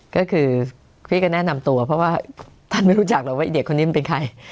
ก็คือพี่ก็แนะนำตัวเพราะว่าท่านไม่รู้จักหรอกว่าเด็กคนนี้มันเป็นใคร